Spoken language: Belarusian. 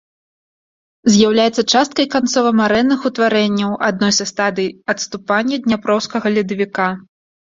З'яўляецца часткай канцова-марэнных утварэнняў адной са стадый адступання дняпроўскага ледавіка.